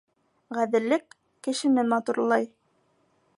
Ғәҙеллек кешене матурлай.